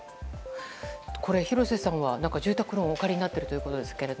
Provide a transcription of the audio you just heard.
これ、廣瀬さんは住宅ローンをお借りになってるということですけど。